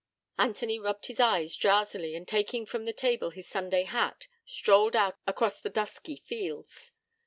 Anthony rubbed his eyes drowsily, and taking from the table his Sunday hat, strolled out across the dusky fields.